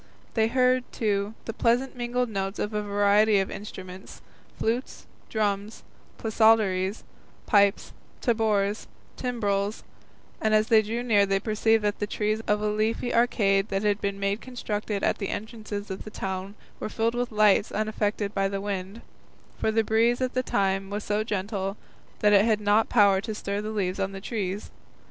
They heard, too, the pleasant mingled notes of a variety of instruments, flutes, drums, psalteries, pipes, tabors, and timbrels, and as they drew near they perceived that the trees of a leafy arcade that had been constructed at the entrance of the town were filled with lights unaffected by the wind, for the breeze at the time was so gentle that it had not power to stir the leaves on the trees.